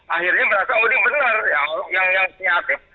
akhirnya berasa oh ini benar yang sihat ya